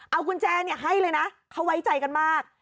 เอากุญแจให้เลยนะเขาไว้ใจกันมาก